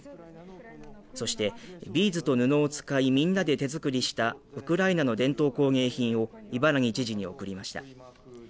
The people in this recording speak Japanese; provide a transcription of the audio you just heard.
そして、ビーズと布を使いみんなで手作りしたウクライナの伝統工芸品を伊原木知事に贈りました。